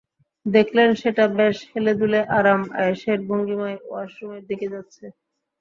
দেখলেন সেটা বেশ হেলেদুলে আরাম আয়েশের ভঙ্গিমায় ওয়াশ রুমের দিকে যাচ্ছে।